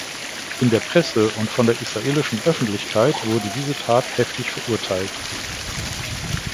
In der Presse und von der israelischen Öffentlichkeit wurde diese Tat heftig verurteilt.